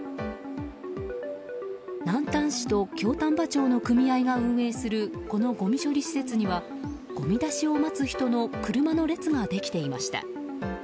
南丹市と京丹波町の組合が運営するこのごみ処理施設にはごみ出しを待つ人の車の列ができていました。